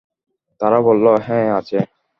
তারা বলল, হ্যাঁ আছে।